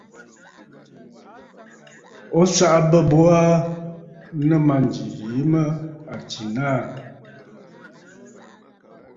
O saꞌa bə̂ bo aa nɨ mânjì yìi mə à tsìnə aà.